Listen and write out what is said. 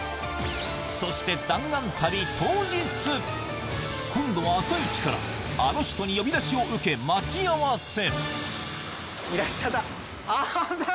そして今度は朝いちからあの人に呼び出しを受け待ち合わせあぁ！